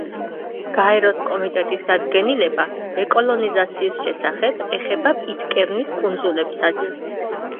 გაეროს კომიტეტის დადგენილება დეკოლონიზაციის შესახებ ეხება პიტკერნის კუნძულებსაც.